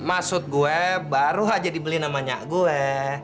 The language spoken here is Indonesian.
ini maksud gue baru aja dibeliin sama nyak gue